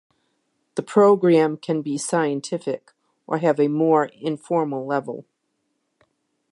The programme can be scientific or have a more informal level.